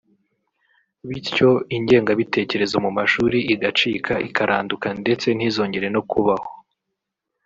bityo ingengabitekerezo mu mashuri igacika ikaranduka ndetse ntizongere no kubaho